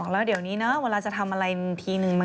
แล้วเดี๋ยวนี้นะเวลาจะทำอะไรทีนึง